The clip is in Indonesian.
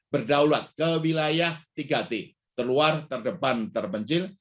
berdaulat ke wilayah tiga t terluar terdepan terpencil